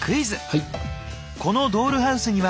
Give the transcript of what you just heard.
はい！